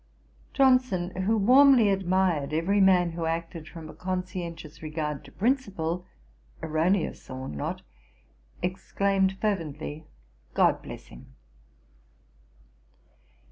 Johnson, who warmly admired every man who acted from a conscientious regard to principle, erroneous or not, exclaimed fervently, 'GOD bless him.'